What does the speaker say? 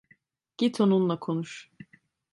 Git onunla konuş.